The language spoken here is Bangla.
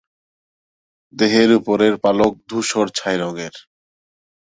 দেহের ওপরের পালক ধূসর ছাই রঙের।